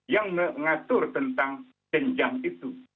yang mengatur tentang jenjang itu